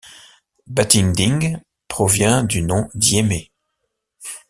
Batinding, provient du nom Diémé.